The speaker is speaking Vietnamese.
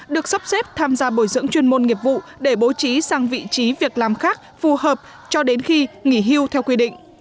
được sắp xếp tham gia bồi dưỡng chuyên môn nghiệp vụ để bố trí sang vị trí việc làm khác phù hợp cho đến khi nghỉ hưu theo quy định